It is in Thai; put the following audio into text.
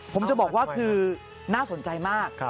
ผมจะบอกว่าคือน่าสนใจมาก